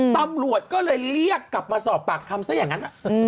ตำรวจก็เลยเรียกกลับมาสอบปากคำซะอย่างนั้น